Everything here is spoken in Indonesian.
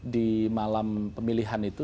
di malam pemilihan itu